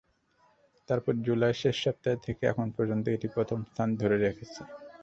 তারপর জুলাইয়ের শেষ সপ্তাহ থেকে এখন পর্যন্ত এটি প্রথম স্থান ধরে রেখেছে।